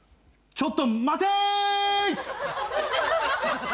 ちょっと待てーい！